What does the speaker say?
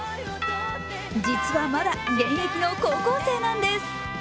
実はまだ、現役の高校生なんです。